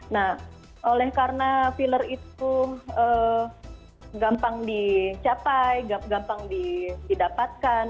nah oleh karena filler itu gampang dicapai gampang didapatkan